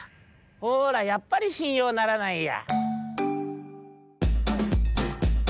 「ほらやっぱりしんようならないや」。